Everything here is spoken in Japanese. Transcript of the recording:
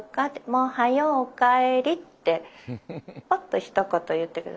もうはようお帰り」ってぱっとひと言言ってくれる。